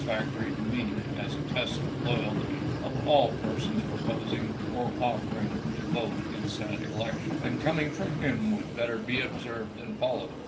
factory to me as a test of loyalty of all persons proposing, or offering, to vote in said elections; and coming from him would better be observed and followed.